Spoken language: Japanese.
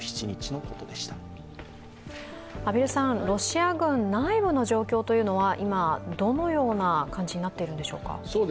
ロシア軍、内部の状況というのは今どのような感じになっているんでしょうか。